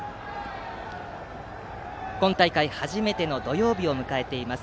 今大会初めての土曜日を迎えています